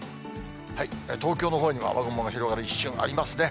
東京のほうには雨雲が広がる一瞬、ありますね。